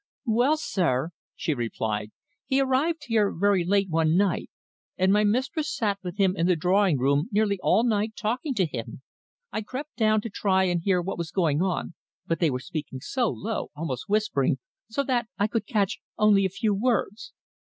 "Well, sir," she replied, "he arrived here very late one night, and my mistress sat with him in the drawing room nearly all night talking to him. I crept down to try and hear what was going on, but they were speaking so low, almost whispering, so that I could catch only a few words."